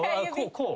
こう？